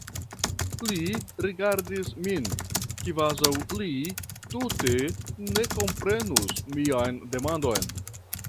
Li rigardis min, kvazaŭ li tute ne komprenus mian demandon.